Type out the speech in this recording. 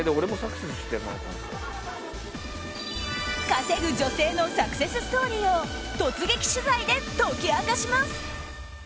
稼ぐ女性のサクセスストーリーを突撃取材で解き明かします。